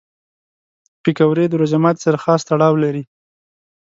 پکورې د روژه ماتي سره خاص تړاو لري